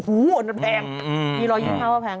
โอ้โฮนั่นแพงมีรอยยิ้มเท่าว่าแพง